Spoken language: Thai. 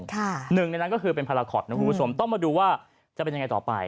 หนึ่งในนั้นก็คือเป็นพาราคอตนะคุณผู้ชมต้องมาดูว่าจะเป็นยังไงต่อไป